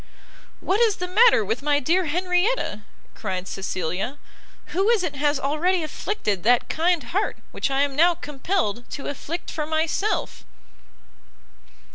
"What is the matter with my dear Henrietta?" cried Cecilia; "who is it has already afflicted that kind heart which I am now compelled to afflict for myself?"